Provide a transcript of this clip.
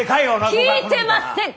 聞いてません！